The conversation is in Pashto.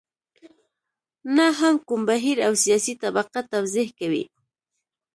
نه هم کوم بهیر او سیاسي طبقه توضیح کوي.